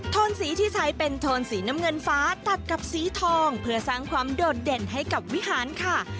โทนสีที่ใช้เป็นโทนสีน้ำเงินฟ้าตัดกับสีทองเพื่อสร้างความโดดเด่นให้กับวิหารค่ะ